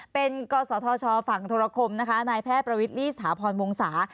เป็นกศธชฝั่งธรคมนะคะนายแพทย์ประวิทลี่สถาพรวงศา